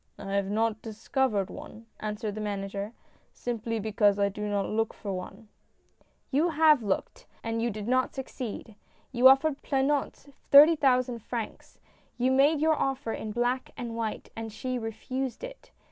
" I have not discovered one," answered the manager, " simply because I do not look for one." SIGNING THE CONTRACT. 99 " You have looked — and you did not succeed. You offered Plenotte thirty thousand francs. You made your offer in black and white, and she refused it.